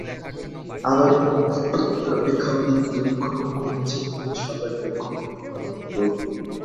আবার কোন ব্যক্তি অন্যের অপেক্ষা অধিক দুঃখভোগ করিয়াছে বলিয়া সবই দুঃখময়, বলাও ভুল।